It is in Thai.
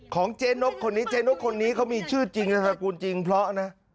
ของเจ๊นกคนนี้เจ๊นกคนนี้เขามีชื่อจริงนามสกุลจริงเพราะนะ